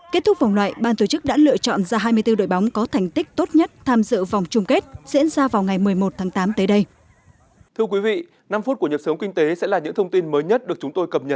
kết thúc vòng loại ban tổ chức đã lựa chọn ra hai mươi bốn đội bóng có thành tích tốt nhất tham dự vòng chung kết diễn ra vào ngày một mươi một tháng tám tới đây